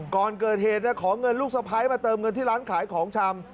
ก่อนเกิดเหตุขอเงินลูกสะพ้ายมาเติมเงินที่ร้านขายของชำ